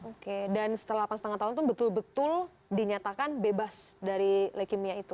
oke dan setelah delapan lima tahun itu betul betul dinyatakan bebas dari leukemia itu